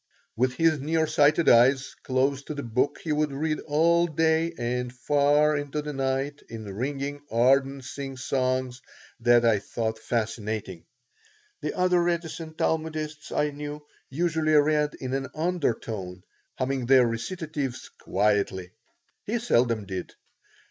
With his near sighted eyes close to the book he would read all day and far into the night in ringing, ardent singsongs that I thought fascinating. The other reticent Talmudists I knew usually read in an undertone, humming their recitatives quietly. He seldom did.